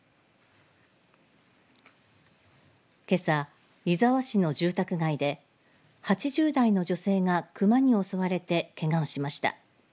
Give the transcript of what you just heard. けさ、湯沢市の住宅街で８０代の女性が熊に襲われてけがをしました。